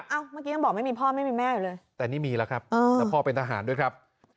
เมื่อกี้ยังบอกไม่มีพ่อไม่มีแม่อยู่เลยแต่นี่มีแล้วครับแล้วพ่อเป็นทหารด้วยครับ